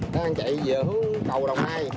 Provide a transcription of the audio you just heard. các anh chạy giữa cầu đồng nai